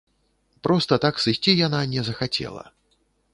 Проста так сысці яна не захацела.